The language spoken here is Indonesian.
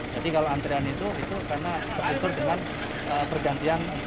jadi kalau antrean itu itu karena bergantian untuk loket